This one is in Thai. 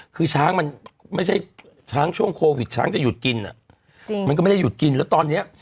คือช้างมันไม่ใช่ช้างช่วงโควิดช้างจะหยุดกินมันก็ไม่ได้หยุดกินแล้วตอนนี้